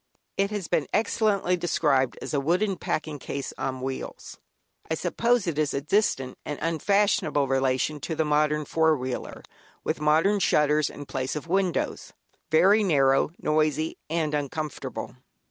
It has been excellently described as "a wooden packing case on wheels." I suppose it is a distant and unfashionable relation of the modern four wheeler, with wooden shutters in place of windows; very narrow, noisy, and uncomfortable.